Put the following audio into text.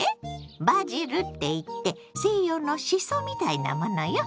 バジルって言って西洋のシソみたいなものよ。